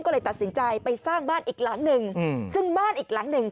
ก็เลยตัดสินใจไปสร้างบ้านอีกหลังหนึ่งอืมซึ่งบ้านอีกหลังหนึ่ง